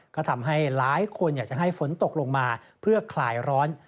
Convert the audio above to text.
ก็ทำให้หลายคนอยากจะให้ฝนตกลงมาเพื่อคลายร้อน